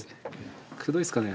くどいっすかね？